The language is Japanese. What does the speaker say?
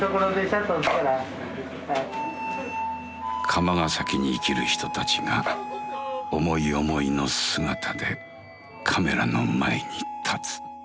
釜ヶ崎に生きる人たちが思い思いの姿でカメラの前に立つ。